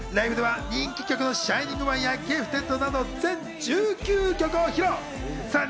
ライブでは人気曲の『ＳｈｉｎｉｎｇＯｎｅ』や『Ｇｉｆｔｅｄ．』など全１９曲を披露。